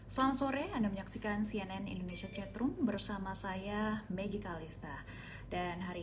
selamat sore anda menyaksikan cnn indonesia chatroom bersama saya maggie kalista dan hari ini